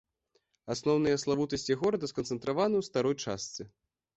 Асноўныя славутасці горада сканцэнтраваны ў старой частцы.